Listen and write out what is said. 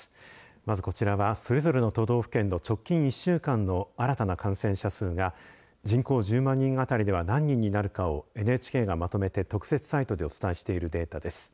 まずこちらは、それぞれの都道府県の直近１週間の新たな感染者数が人口１０万人あたりでは何人になるかをＮＨＫがまとめて特設サイトでお伝えしているデータです。